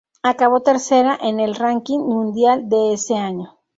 Acabó tercera en el ranking mundial de ese año.